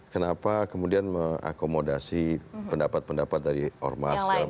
kenapa kemudian mengakomodasi pendapat pendapat dari ormas